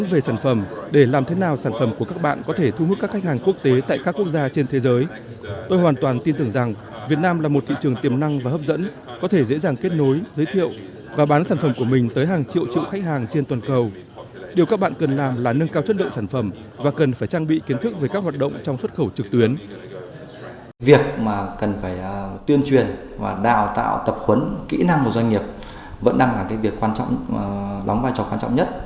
việc cần phải tuyên truyền và đào tạo tập huấn kỹ năng của doanh nghiệp vẫn đang là việc lóng vai trò quan trọng nhất